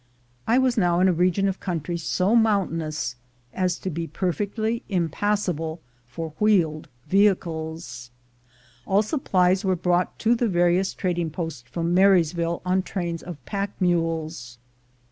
I was now in a region of country so mountainous as to be perfectly impassable for wheeled vehicles. All supplies were brought to the various trading posts from Marysville on trains of pack mules.